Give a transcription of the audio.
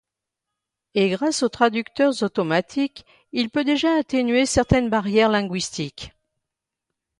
Et grâce aux traducteurs automatiques, il peut déjà atténuer certaines barrières linguistiques.